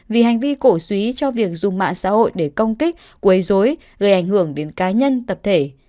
vì hành vi cổ suý cho việc dùng mạng xã hội để công kích quấy dối gây ảnh hưởng đến cá nhân tập thể